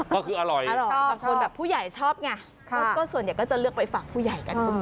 ก็คืออร่อยบางคนแบบผู้ใหญ่ชอบไงก็ส่วนใหญ่ก็จะเลือกไปฝากผู้ใหญ่กัน